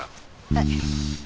はい？